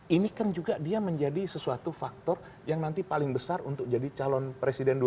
ini kan juga dia menjadi sesuatu faktor yang nanti paling besar untuk jadi calon presiden dua ribu sembilan belas